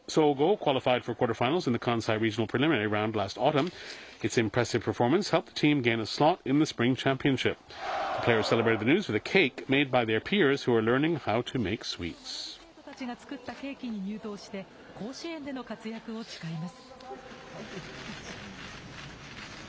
菓子作りを学ぶ生徒たちが作ったケーキに入刀して、甲子園での活躍を誓います。